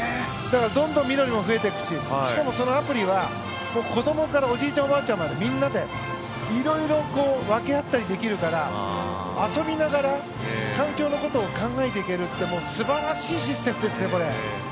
だからどんどん緑も増えていくししかも、そのアプリは子どもからおじいちゃん、おばあちゃんまでみんなで色々、分け合ったりできるから遊びながら環境のことを考えていける素晴らしいシステムですねこれ。